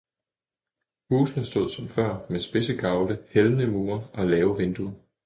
husene stod som før med spidse gavle, hældende mure og lave vinduer.